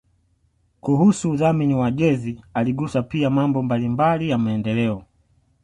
kuhusu udhamini wa jezi uligusa pia mambo mbalimbali ya maendeleo